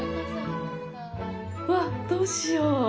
わっ、どうしよう。